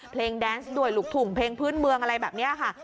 เพลงแดนซ์ด้วยลูกถุงเพลงพื้นเมืองอะไรแบบนี้ค่ะ